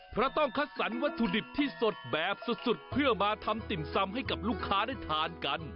เพราะต้องคัดสรรวัตถุดิบที่สดแบบสุดเพื่อมาทำติ่มซำให้กับลูกค้าได้ทานกัน